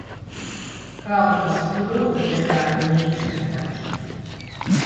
Kalnos ir grūta pedāļu mīšana taču.